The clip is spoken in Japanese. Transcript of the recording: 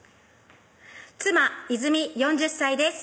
妻・泉４０歳です